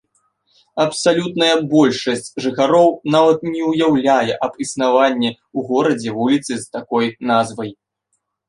Абсалютная большасць жыхароў нават не ўяўляе аб існаванні ў горадзе вуліцы з такой назвай.